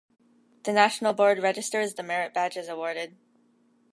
The national board registers the merit badges awarded.